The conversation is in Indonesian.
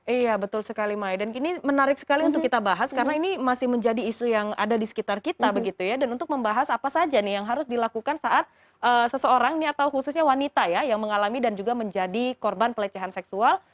iya betul sekali maya dan ini menarik sekali untuk kita bahas karena ini masih menjadi isu yang ada di sekitar kita begitu ya dan untuk membahas apa saja nih yang harus dilakukan saat seseorang ini atau khususnya wanita ya yang mengalami dan juga menjadi korban pelecehan seksual